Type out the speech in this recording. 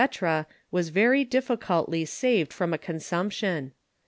_ was very difficultly saved from a Consumption.